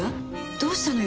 どうしたのよ？